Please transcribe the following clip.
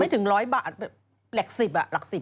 ไม่ถึงร้อยบาทแปลกสิบอ่ะหลักสิบอ่ะ